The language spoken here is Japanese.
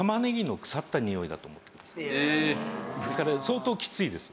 えーっ！ですから相当きついです。